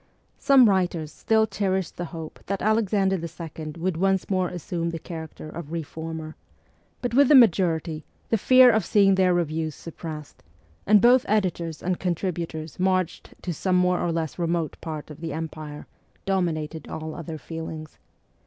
Some writers still cherished the hope that Alexander II. would once more assume the character of reformer ; but with the majority the fear of seeing their re views suppressed, and both editors and contributors marched ' to some more or less remote part of the empire,' dominated all other feelings.